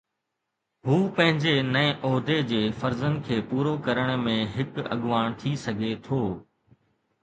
هو پنهنجي نئين عهدي جي فرضن کي پورو ڪرڻ ۾ هڪ اڳواڻ ٿي سگهي ٿو